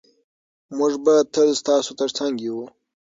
موږ به تل ستاسو ترڅنګ یو.